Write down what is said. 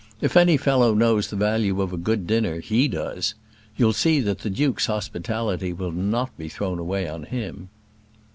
If any fellow knows the value of a good dinner, he does. You'll see that the duke's hospitality will not be thrown away on him."